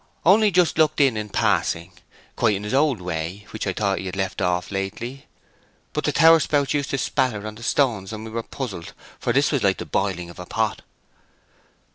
"Only just looked in in passing—quite in his old way, which I thought he had left off lately. But the tower spouts used to spatter on the stones, and we are puzzled, for this was like the boiling of a pot."